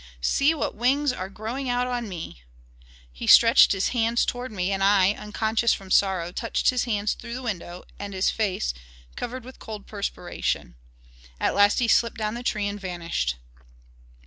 See what wings are growing out on me!' He stretched his hands toward me, and I, unconscious from sorrow, touched his hands through the window and his face, covered with cold perspiration. At last he slipped down the tree and vanished."